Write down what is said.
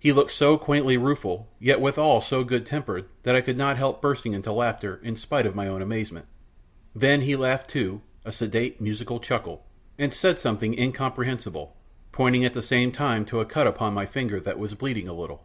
He looked so quaintly rueful yet withal so good tempered that I could not help bursting into laughter in spite of my own amazement. Then he laughed too, a sedate, musical chuckle, and said something incomprehensible, pointing at the same time to a cut upon my finger that was bleeding a little.